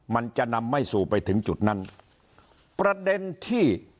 มันจะนำไม่สู่ไปถึงจุดนั้นประเด็นที่